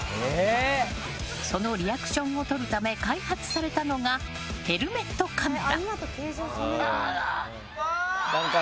そのリアクションを撮るため開発されたのがヘルメットカメラ。